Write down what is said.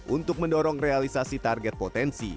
untuk mendorong realisasi target potensi